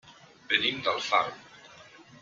Venim d'Alfarb.